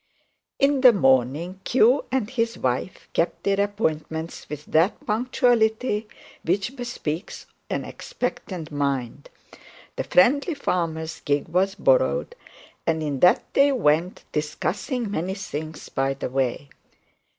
In the morning, Q and his wife kept their appointments with that punctuality which bespeaks an expectant mind. The friendly farmer's gig was borrowed, and in that they went, discussing many things by the way.